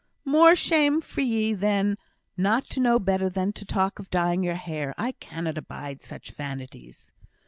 "More shame for ye, then, not to know better than to talk of dyeing your hair. I cannot abide such vanities!"